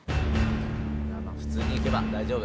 普通にいけば大丈夫。